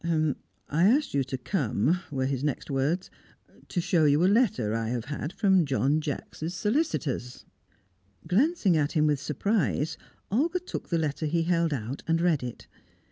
"I asked you to come," were his next words, "to show you a letter I have had from John Jacks' solicitors." Glancing at him with surprise, Olga took the letter he held out, and read it.